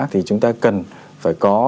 thì chúng ta cần phải có